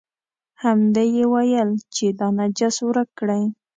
همدې یې ویل چې دا نجس ورک کړئ.